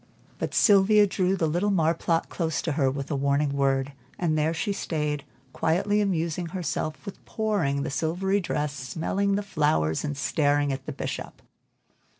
But Sylvia drew the little marplot close to her with a warning word, and there she stayed, quietly amusing herself with "pooring" the silvery dress, smelling the flowers and staring at the Bishop.